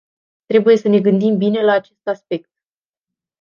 Trebuie să ne gândim bine la acest aspect.